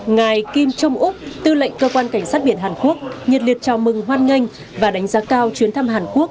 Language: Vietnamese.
ngài kim trung úc tư lệnh cơ quan cảnh sát biển hàn quốc nhiệt liệt chào mừng hoan nghênh và đánh giá cao chuyến thăm hàn quốc